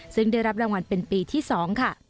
ซึ่งได้รับรางวัลเป็นปีที่๒ค่ะ